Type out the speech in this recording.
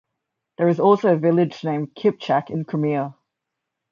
There is also a village named Kipchak in Crimea.